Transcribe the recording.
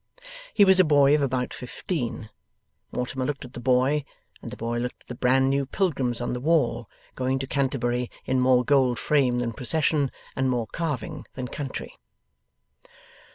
He was a boy of about fifteen. Mortimer looked at the boy, and the boy looked at the bran new pilgrims on the wall, going to Canterbury in more gold frame than procession, and more carving than country.